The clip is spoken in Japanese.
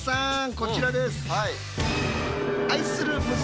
こちらです。